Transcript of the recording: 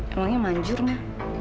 emangnya manjur ma